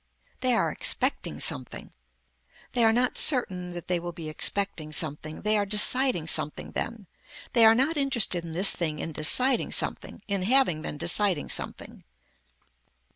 They are expecting something. They are not certain that they will be expecting something. They are deciding something then. They are not interested in this thing in deciding something, in having been deciding something.